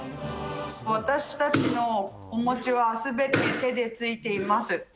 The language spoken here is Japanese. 私たちのお餅はすべて手でついています。